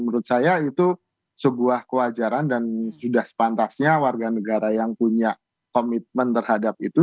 menurut saya itu sebuah kewajaran dan sudah sepantasnya warga negara yang punya komitmen terhadap itu